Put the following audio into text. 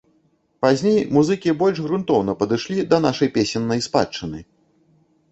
Пазней музыкі больш грунтоўна падышлі да нашай песеннай спадчыны.